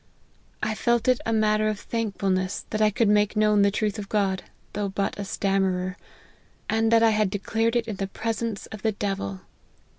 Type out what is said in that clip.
I felt it a matter of thankfulness that I could make known the truth of God, though but a stammerer ; and that I had declared it in the presence of the devil.